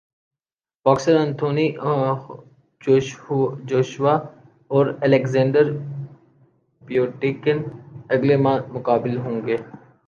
boxer Anthony Joshua اور Alexander Povetkin اگلے ماہ مقابل ہوں گے